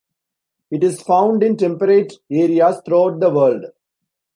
It is found in temperate areas throughout the world.